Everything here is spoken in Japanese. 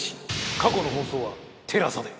過去の放送はＴＥＬＡＳＡで。